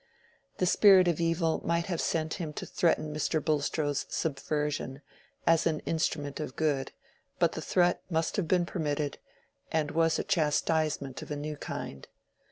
The spirit of evil might have sent him to threaten Mr. Bulstrode's subversion as an instrument of good; but the threat must have been permitted, and was a chastisement of a new kind.